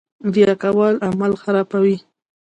ریا کول عمل خرابوي